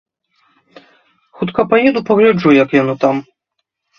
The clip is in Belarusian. Хутка паеду, пагляджу як яно там.